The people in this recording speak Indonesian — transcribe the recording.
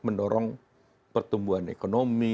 mendorong pertumbuhan ekonomi